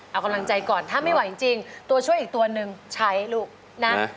เอากำลังใจก่อนถ้าไม่ไหวจริงตัวช่วยอีกตัวหนึ่งใช้ลูกนะ